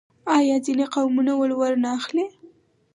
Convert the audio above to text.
آیا ځینې قومونه ولور نه اخلي؟